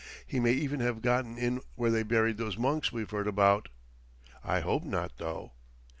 He may even have gotten in where they buried those monks we've heard about. I hope not, though."